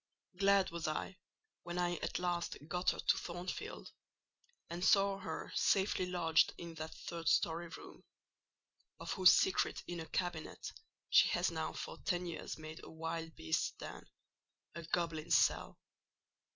Glad was I when I at last got her to Thornfield, and saw her safely lodged in that third storey room, of whose secret inner cabinet she has now for ten years made a wild beast's den—a goblin's cell.